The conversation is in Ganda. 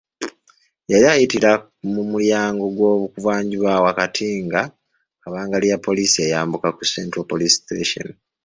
Yali ayitira mu mulyango gw’obuvanjuba wakati nga kabangali ya poliisi eyambuka ku Central Police Station.